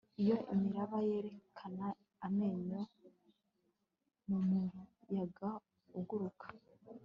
Iyo imiraba yerekana amenyo mumuyaga uguruka